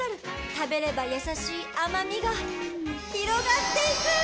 食べれば優しい甘みが広がっていく！